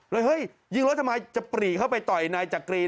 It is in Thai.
เฮ้ยยิงรถทำไมจะปรีเข้าไปต่อยนายจักรี